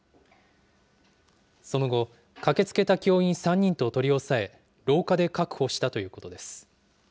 その後、駆けつけた教員３人と取り押さえ、廊下で確保したということです。